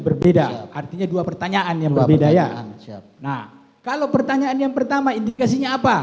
berbeda artinya dua pertanyaan yang berbeda yang cepat nah kalau pertanyaan yang pertama indikasi